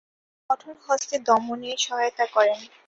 তিনি কঠোরহস্তে দমনে সহায়তা করেন।